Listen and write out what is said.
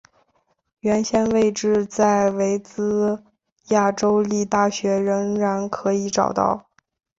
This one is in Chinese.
原先的位置在维兹亚州立大学仍然可以找到。